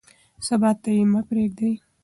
سبا ته یې مه پرېږدئ.